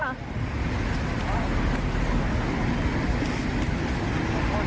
ขอโทษนะคะ